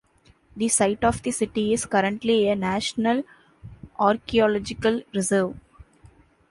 The site of the city is currently a National Archaeological Reserve.